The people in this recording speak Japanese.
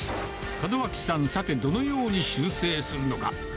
門脇さん、さてどのように修正するのか。